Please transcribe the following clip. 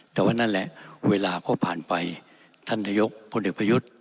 แต่ว่านั่นแหละเวลาก็ผ่านไปท่านนายกพลเอกประยุทธ์